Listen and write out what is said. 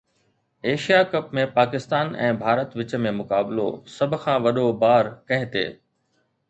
Asia cup ۾ Pakistan ۽ Bharat وچ ۾ مقابلو، سڀ کان وڏو بار ڪنهن تي؟